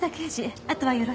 あとはよろしく。